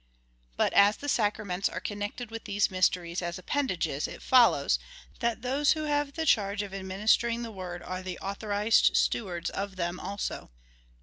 But as the sacraments are connected with these mysteries as appendages, it follows, that those Avho have the charge of administering the word are the authorized stewards of them also.